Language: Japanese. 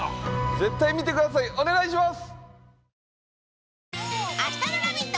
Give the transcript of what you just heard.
絶対見てくださいお願いします